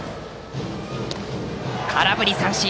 空振り三振！